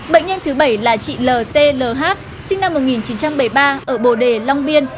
bệnh nhân thứ bảy là chị l t l h sinh năm một nghìn chín trăm bảy mươi ba ở bồ đề long biên